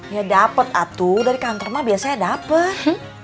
ya dapet atu dari kantor mah biasanya dapat